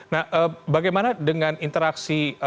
nah bagaimana dengan interaksi